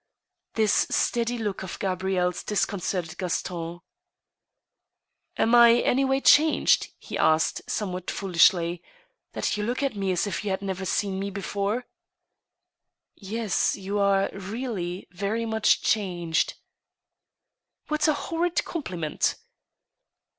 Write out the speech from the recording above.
This steady look of Gabrielle's disconcerted Gaston. *• Am I anyway changed," he asked, somewhat foolishly, " that you look at me as if you had never seen me before ?"" Yes — ^you are really very much changed." * What a horrid compliment